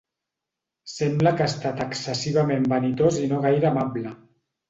Sembla que ha estat excessivament vanitós i no gaire amable.